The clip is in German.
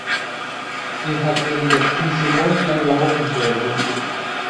Sie hat während der Krise monatelang überhaupt nicht reagiert.